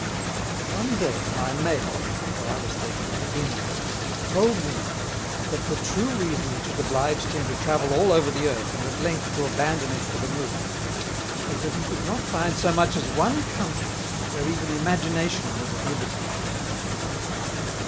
"] One Day my Male (for I was taken for the Female) told me, That the true reason which had obliged him to travel all over the Earth, and at length to abandon it for the Moon, was that he could not find so much as one Country where even Imagination was at liberty.